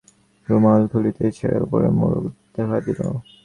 রুমাল খুলিতেই ছেঁড়া কাপড়ের মোড়ক দেখা দিল।